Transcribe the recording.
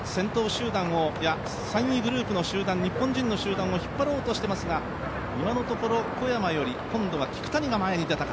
３位グループの日本人の集団を引っ張ろうとしていますが、今のところ小山より今度は聞谷が前に出たか。